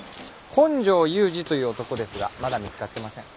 本庄勇治という男ですがまだ見つかってません。